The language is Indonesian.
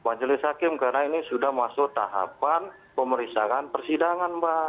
majelis hakim karena ini sudah masuk tahapan pemeriksaan persidangan mbak